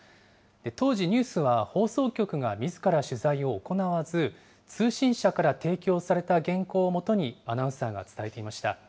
当時、ニュースは放送局がみずから取材を行わず、通信社から提供された原稿をもとにアナウンサーが伝えていました。